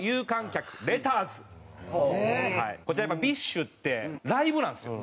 こちらやっぱＢｉＳＨってライブなんですよ。